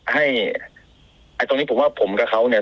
ไอ้ตรงนี้ผมว่าผมกับเขาเนี่ย